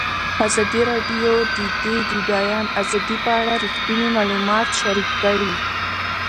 ازادي راډیو د د بیان آزادي په اړه رښتیني معلومات شریک کړي.